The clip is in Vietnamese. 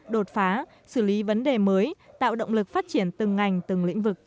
đột phá xử lý vấn đề mới tạo động lực phát triển từng ngành từng lĩnh vực